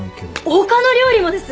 他の料理もです！